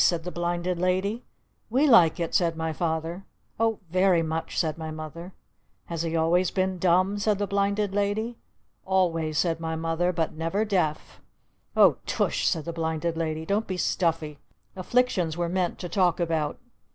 said the Blinded Lady. "We like it!" said my Father. "Oh very much!" said my Mother. "Has he always been dumb?" said the Blinded Lady. "Always," said my Mother. "But never deaf!" "Oh Tush!" said the Blinded Lady. "Don't be stuffy! Afflictions were meant to talk about!"